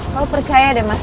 kalo percaya deh sama aku mas